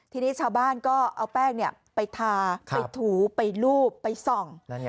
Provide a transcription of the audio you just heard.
ทีนี้ชาวบ้านก็เอาแป้งไปทาไปถูไปลูบไปส่อง